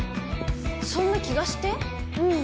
そんな気がしてうん。